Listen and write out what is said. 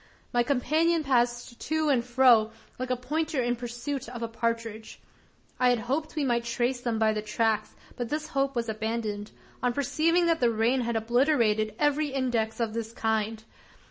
My companion passed to and fro, like a pointer in pursuit of a partridge. I had hoped we might trace them by the tracks; but this hope was abandoned, on perceiving that the rain had obliterated every index of this kind.